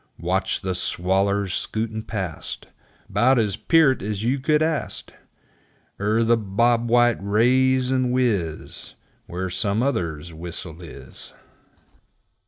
Watch the swallers skootin' past 'Bout as peert as you could ast; Er the Bob white raise and whiz Where some other's whistle is.